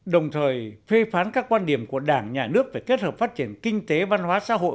đồng thời phê phán các quan điểm của đảng nhà nước về kết hợp phát triển kinh tế văn hóa xã hội